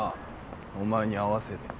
お前に合わせて。